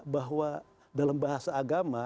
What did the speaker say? bahwa dalam bahasa agama